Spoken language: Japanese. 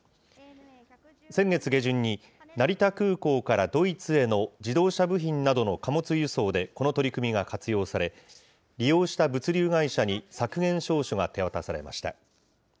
先月下旬に、成田空港からドイツへの自動車部品などの貨物輸送でこの取り組みが活用され、利用した物流会社に削減証書が手渡されました。